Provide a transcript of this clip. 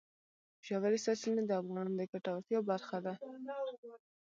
ژورې سرچینې د افغانانو د ګټورتیا برخه ده.